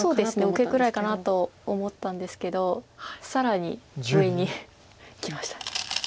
受けぐらいかなと思ったんですけど更に上にきました。